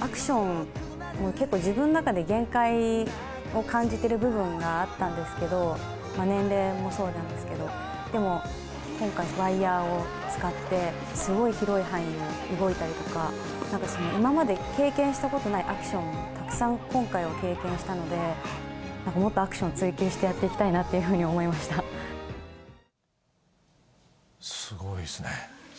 アクションを結構、自分の中で限界を感じてる部分があったんですけど、年齢もそうなんですけど、でも今回、ワイヤを使って、すごい広い範囲を動いたりとか、なんか今まで経験したことないアクションをたくさん、今回は経験したので、もっとアクションを追求してやっていきたいなというふうに思いますごいですね。